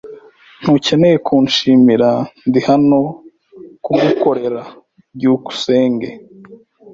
Ntukeneye kunshimira. Ndi hano kugukorera. byukusenge